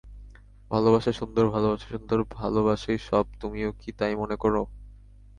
ভালোবাসা সুন্দর ভালোবাসা সুন্দর ভালোবাসাই সব তুমিও কি তাই মনে করো?